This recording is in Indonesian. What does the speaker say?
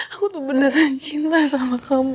aku tuh beneran cinta sama kamu